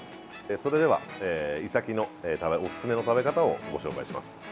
それでは、イサキのおすすめの食べ方をご紹介します。